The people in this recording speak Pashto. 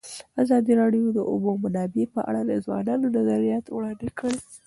ازادي راډیو د د اوبو منابع په اړه د ځوانانو نظریات وړاندې کړي.